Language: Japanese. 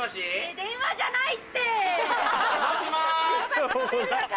電話じゃないって！